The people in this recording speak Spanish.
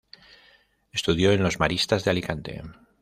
Estudió en los maristas de Alicante.